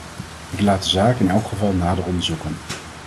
Ik laat de zaak in elk geval nader onderzoeken.